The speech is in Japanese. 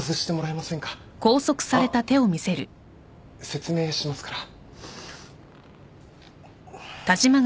説明しますから。